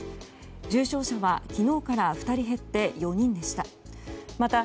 重症者は昨日から２人減って４人でした。